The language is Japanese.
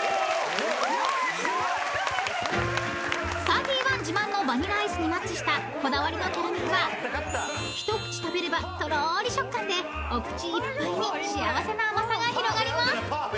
［サーティワン自慢のバニラアイスにマッチしたこだわりのキャラメルは一口食べればとろり食感でお口いっぱいに幸せな甘さが広がります］